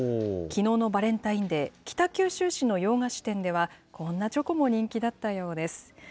きのうのバレンタインデー、北九州市の洋菓子店では、こんなチョコも人気だったようです。